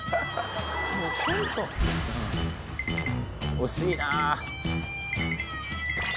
惜しいな。